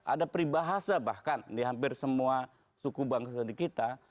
ada peribahasa bahkan di hampir semua suku bangsa di kita